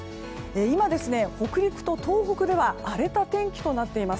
今、北陸と東北では荒れた天気となっています。